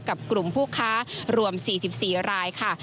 กับกลุ่มผู้ค้ารวม๔๔รายค่ะ